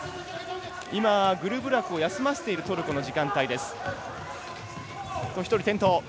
今、グルブラクを休ませているトルコの時間帯です。